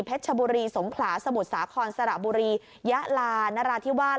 ชบุรีสงขลาสมุทรสาครสระบุรียะลานราธิวาส